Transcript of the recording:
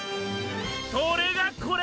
それがこれ！